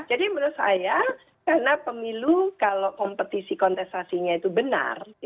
jadi menurut saya karena pemilu kalau kompetisi kontestasinya itu benar